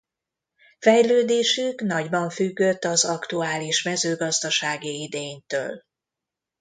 Fejlődésük nagyban függött az aktuális mezőgazdasági idénytől.